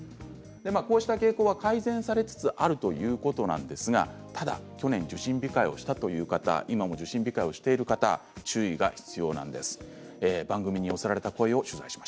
こうした傾向は改善されつつあるということですが去年、受診控えをした方今、受診控えをしている方注意が必要です。